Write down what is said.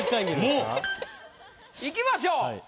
いきましょう。